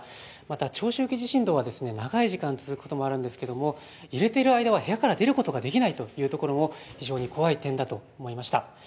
また長周期地震動は長い時間続くこともあるんですが揺れている間は部屋から出ることができないというところも非常に怖い点だと思いました。